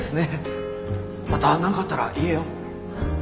また何かあったら言えよ。